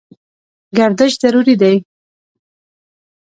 ګردش ضروري دی.